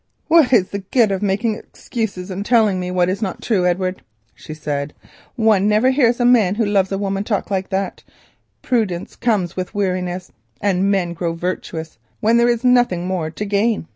"What is the good of making excuses and telling me what is not true, Edward?" she said. "One never hears a man who loves a woman talk like that; prudence comes with weariness, and men grow circumspect when there is nothing more to gain.